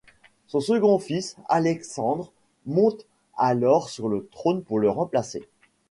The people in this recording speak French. Son second fils, Alexandre, monte alors sur le trône pour le remplacer.